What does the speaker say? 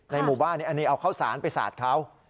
หมู่บ้านอันนี้เอาข้าวสารไปสาดเขา